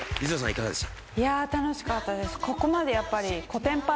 いかがでした？